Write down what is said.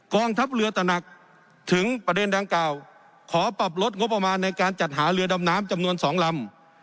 ทัพเรือตนักถึงประเด็นดังกล่าวขอปรับลดงบประมาณในการจัดหาเรือดำน้ำจำนวน๒ลำ